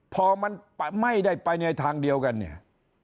พอมันไม่ได้ไปในทางเดียวกันเนี่ย